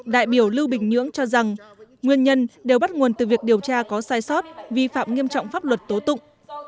đại biểu lưu bình nhưỡng cho rằng nguyên nhân đều bắt nguồn từ việc điều tra có sai sót vi phạm nghiêm trọng pháp luật tố tụng